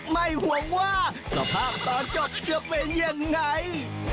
ไม่ห่วงว่าสภาพตอนจบจะเป็นยังไง